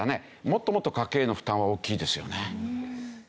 もっともっと家計への負担は大きいですよね。